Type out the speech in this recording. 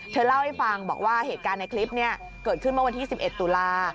เธอเล่าให้ฟังบอกว่าเหตุการณ์ในคลิปนี้เกิดขึ้นเมื่อวันที่๑๑ตุลา